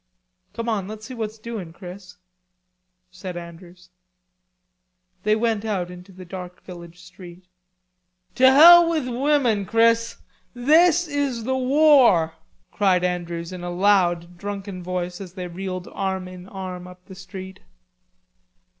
"Come on, let's see what's doing, Chris," said Andrews. They went out into the dark village street. "To hell with women, Chris, this is the war!" cried Andrews in a loud drunken voice as they reeled arm in arm up the street.